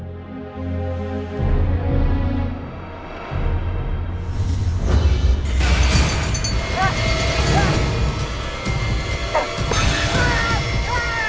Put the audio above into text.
saya sudah tanya sama bapak